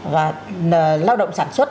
và lao động sản xuất